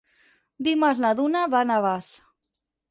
Dimarts na Duna va a Navàs.